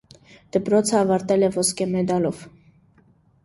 Դպրոցը ավարտել է ոսկե մեդալով։